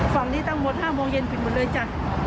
ฝั่งนี้ตั้งหมด๕โมงเย็นปิดหมดเลยจ้ะ